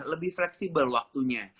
lebih fleksibel waktunya